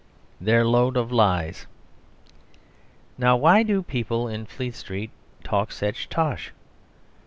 Their Load of Lies Now, why do people in Fleet street talk such tosh?